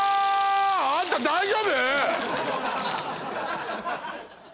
あんた大丈夫？